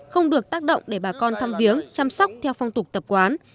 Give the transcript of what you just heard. không được tác động để bà con thăm viếng chăm sóc theo phong tục tập quán